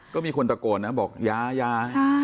ก็มีคนตะโกนนะบอกยายยาย